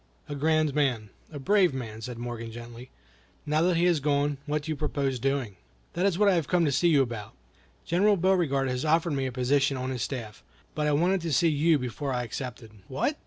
"A grand man, a brave man," said Morgan, gently. "Now that he has gone, what do you propose doing?" "That is what I have come to see you about. General Beauregard has offered me a position on his staff, but I wanted to see you before I accepted." "What!